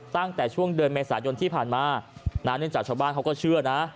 ตั้งแต่ช่วงเดือนเมษายนที่ผ่านมาณจัดชบ้านเขาก็เชื่อนะ